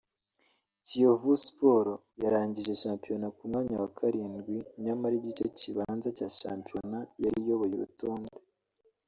Kiyovu sport yarangije shampiyona ku mwanya wa karindwi nyamara igice kibanza cya shampiyona yari iyoboye urutonde